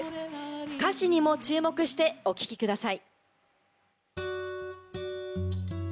歌詞にも注目してお聴きください。